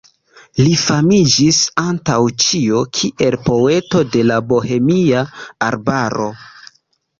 Li famiĝis antaŭ ĉio kiel "poeto de la Bohemia arbaro".